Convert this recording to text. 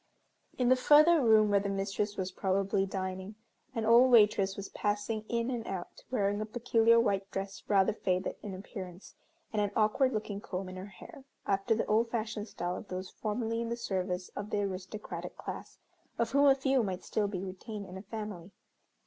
In the further room where the mistress was probably dining, an old waitress was passing in and out, wearing a peculiar white dress rather faded in appearance, and an awkward looking comb in her hair, after the old fashioned style of those formerly in the service of the aristocratic class, of whom a few might still be retained in a family.